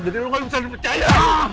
jadi lo gak bisa dipercaya